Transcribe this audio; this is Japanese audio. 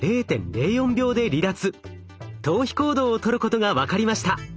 逃避行動をとることが分かりました。